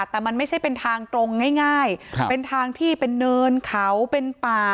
แต่มันไม่ใช่เป็นทางตรงง่ายเป็นทางที่เป็นเนินเขาเป็นป่า